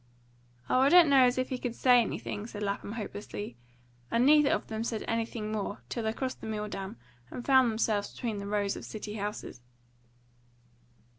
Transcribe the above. "Oh, I don't know as he could say anything," said Lapham hopelessly; and neither of them said anything more till they crossed the Milldam and found themselves between the rows of city houses.